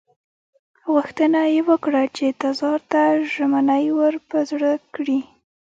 غوښتنه یې وکړه چې تزار ته ژمنې ور په زړه کړي.